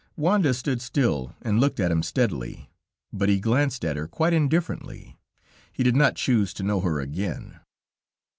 Wanda stood still and looked at him steadily, but he glanced at her quite indifferently; he did not choose to know her again.